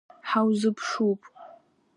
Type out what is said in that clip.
Ҳаузыԥшуп!